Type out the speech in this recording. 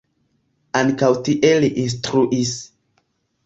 Ankaŭ tie li instruis.